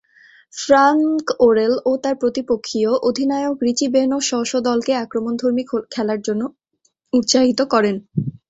Frank Worrell ও তার প্রতিপক্ষীয় অধিনায়ক রিচি বেনো স্ব-স্ব দলকে আক্রমণধর্মী খেলার জন্যে উৎসাহিত করেন।